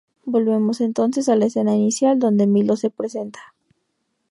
Volvemos entonces a la escena inicial donde Milo se presenta.